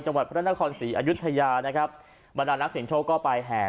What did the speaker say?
จังหวัดพระนครศรีอายุทยานะครับบรรดานักเสียงโชคก็ไปแห่